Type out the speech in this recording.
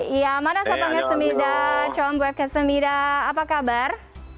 iya mana sabang fk semida combo fk semida apa kabar